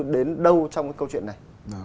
đến đâu trong cái câu chuyện này